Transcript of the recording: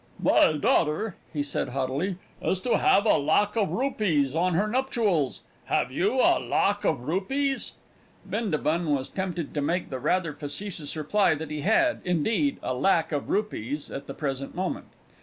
"My daughter," he said haughtily, "is to have a lakh of rupees on her nuptials. Have you a lakh of rupees?" Bindabun was tempted to make the rather facetious reply that he had, indeed, a lack of rupees at the present moment.